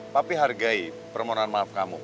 tapi hargai permohonan maaf kamu